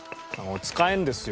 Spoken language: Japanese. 使えるんですよ